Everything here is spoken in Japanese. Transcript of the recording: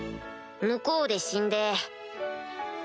向こうで死んで。